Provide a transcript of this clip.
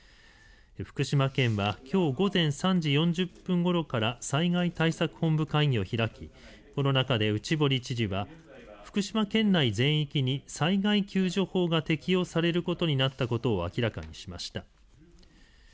福島県はきょう午前３時４０分ごろから災害対策本部会議を開き、この中で内堀知事は福島県内全域に災害救助法が適用されることになったことを明らかにしました。